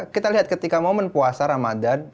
kita lihat ketika momen puasa ramadan